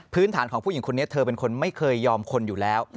ฐานของผู้หญิงคนนี้เธอเป็นคนไม่เคยยอมคนอยู่แล้ว